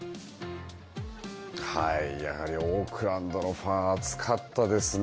やはりオークランドのファン、熱かったですね。